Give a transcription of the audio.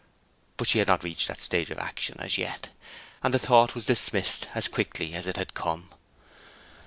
But she had not reached that stage of action as yet, and the thought was dismissed as quickly as it had come.